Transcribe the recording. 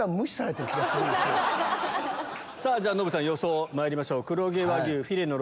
じゃノブさん予想まいりましょう。